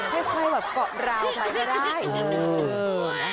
ให้ใครเกาะราวไปก็ได้